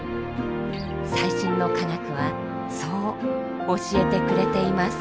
最新の科学はそう教えてくれています。